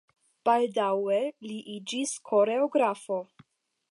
Baldaŭe li iĝis koreografo.